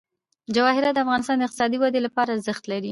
جواهرات د افغانستان د اقتصادي ودې لپاره ارزښت لري.